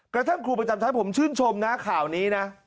กระทั่งครูประจำชั้นผมชื่นชมนะข่าวนี้นะ